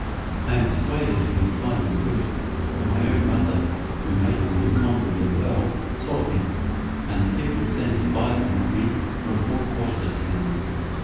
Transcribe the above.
I am persuaded you will find them good; for my own mother, who made them incomparably well, taught me, and the people send to buy them of me from all quarters of the town."